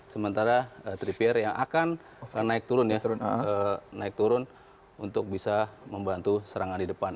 sementara tripper yang akan naik turun untuk bisa membantu serangan di depan